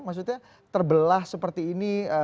maksudnya terbelah seperti ini